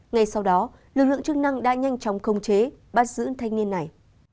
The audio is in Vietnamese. ngay sau đó lực lượng chức năng đã nhanh chóng khống chế bắt giữ thanh niên này